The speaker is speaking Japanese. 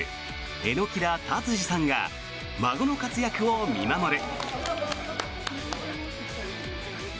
榎田達治さんが孫の活躍を見守る。